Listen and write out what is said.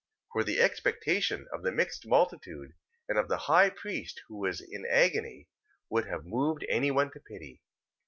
3:21. For the expectation of the mixed multitude, and of the high priest, who was in an agony, would have moved any one to pity.